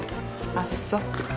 あっそう。